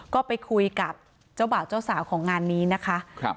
ก็ไปคุยกับเจ้าบ่าวเจ้าสาวของงานนี้นะคะ